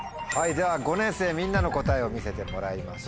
では５年生みんなの答えを見せてもらいましょう。